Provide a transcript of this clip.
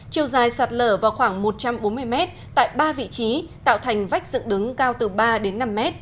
chiều dài sạt lở vào khoảng một trăm bốn mươi m tại ba vị trí tạo thành vách dựng đứng cao từ ba đến năm mét